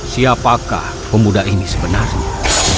siapakah pemuda ini sebenarnya